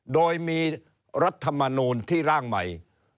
โดยมีรัฐมนูลที่ร่างใหม่